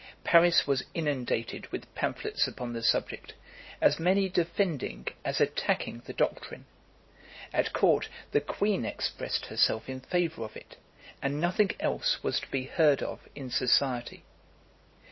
Paris was inundated with pamphlets upon the subject, as many defending as attacking the doctrine. At court, the queen expressed herself in favour of it, and nothing else was to be heard of in society.